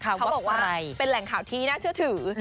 เขาบอกว่าเป็นแหล่งข่าวที่น่าเชื่อถือ